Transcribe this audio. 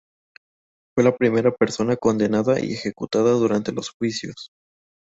Fue la primera persona condenada y ejecutada durante los juicios.